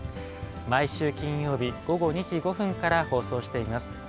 毎週金曜日午後２時５分から放送しています。